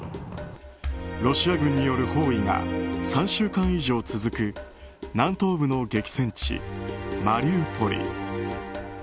ロシア軍による包囲が３週間以上続く南東部の激戦地、マリウポリ。